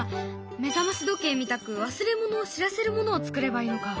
目覚まし時計みたく忘れ物を知らせるものをつくればいいのか。